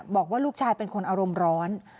บอกว่าลูกชายเป็นคนอารมณ์ร้อน